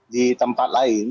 di tempat lain